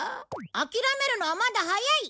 諦めるのはまだ早い！